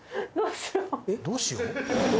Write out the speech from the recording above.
「どうしよう」？